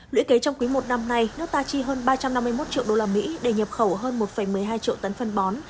lũy kế trong quý một năm nay nước ta chi hơn ba trăm năm mươi một triệu usd để nhập khẩu hơn một một mươi hai triệu tấn phân bó